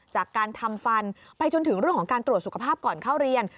จากการทำฟันไปจนถึงเรื่องของการตรวจสุขภาพก่อนเข้าเรียน